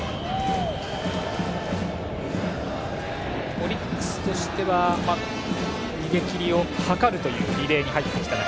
オリックスとしては逃げ切りを図るというリレーに入っていきたい。